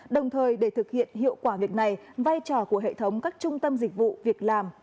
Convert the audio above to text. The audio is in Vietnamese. đồng thời để thực hiện hiệu quả việc này vai trò của hệ thống các trung tâm dịch vụ việc làm